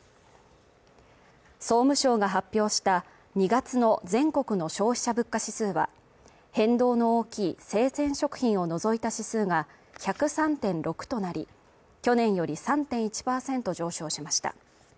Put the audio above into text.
総務省が発表した２月の全国の消費者物価指数は、変動の大きい生鮮食品を除いた指数が１０３．６となり、去年より３．１％上昇しました。